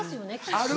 ある。